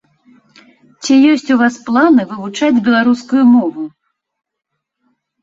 Ці ёсць у вас планы вывучаць беларускую мову?